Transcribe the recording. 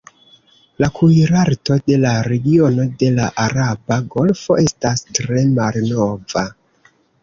La kuirarto de la regiono de la araba golfo estas tre malnova.